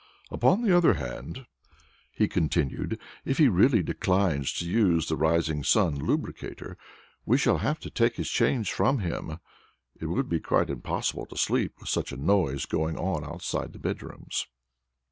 "Upon the other hand," he continued, "if he really declines to use the Rising Sun Lubricator, we shall have to take his chains from him. It would be quite impossible to sleep, with such a noise going on outside the bedrooms."